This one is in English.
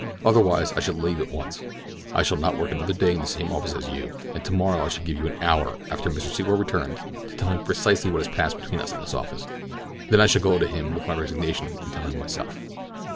Otherwise I should leave at once. I shall not work another day in the same office with you, and tomorrow I shall give you an hour after Mr. Secor returns to tell him precisely what has passed between us in this office, then I shall go to him with my resignation and tell him myself."